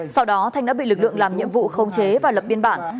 sau đó thanh đã bị lực lượng làm nhiệm vụ khống chế và lập biên bản